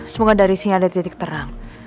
semoga dari sini ada titik terang